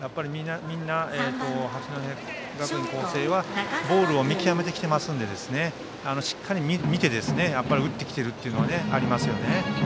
みんな、八戸学院光星はボールを見極めてきていますのでしっかり見て、打ってきているというのがありますね。